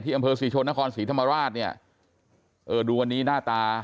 อำเภอศรีชนนครศรีธรรมราชเนี่ยเออดูวันนี้หน้าตา